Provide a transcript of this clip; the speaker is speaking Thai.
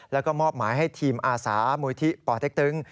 แล้วก็มอบหมายให้ทีมอาสามศศ